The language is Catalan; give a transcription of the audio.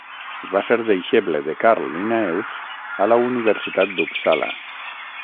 Va ser deixeble de Carl Linnaeus a la Universitat d'Uppsala.